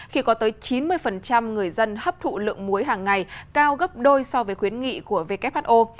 khi có tới chín mươi người dân hấp thụ lượng muối hàng ngày cao gấp đôi so với khuyến nghị của who